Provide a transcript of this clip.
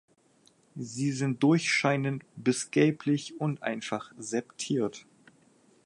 Sie sind durchscheinend bis gelblich und einfach septiert.